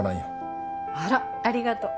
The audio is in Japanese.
あらありがとう。